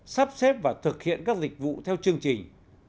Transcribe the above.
sắp xếp và thực hiện các dịch vụ theo chương trình